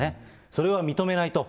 それは認めないと。